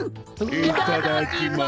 いただきます！